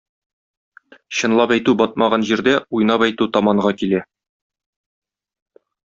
Чынлап әйтү батмаган җирдә уйнап әйтү таманга килә.